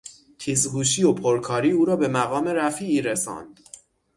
تیز هوشی و پرکاری او را به مقام رفیعی رساند.